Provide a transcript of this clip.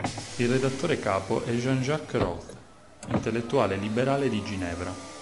Il redattore capo è Jean-Jacques Roth, intellettuale liberale di Ginevra.